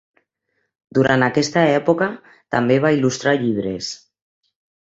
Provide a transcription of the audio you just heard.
Durant aquesta època també va il·lustrar llibres.